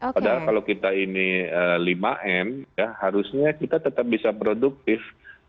padahal kalau kita ini lima m ya harusnya kita tetap bisa produktif